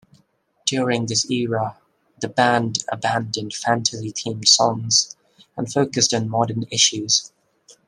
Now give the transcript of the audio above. During this era, the band abandoned fantasy themed songs and focused on modern issues.